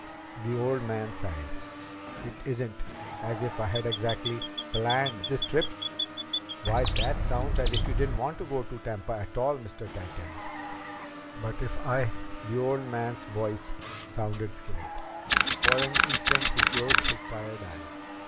The old man sighed. "It isn't as if I had exactly planned this trip." "Why, it sounds as if you didn't want to go to Tampa at all, Mr. Tytell!" "But if I " The old man's voice sounded scared. For an instant he closed his tired eyes.